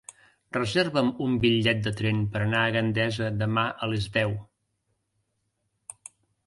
Reserva'm un bitllet de tren per anar a Gandesa demà a les deu.